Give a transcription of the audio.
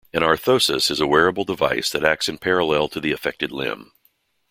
An orthosis is a wearable device that acts in parallel to the affected limb.